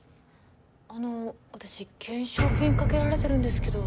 あの私懸賞金かけられてるんですけど。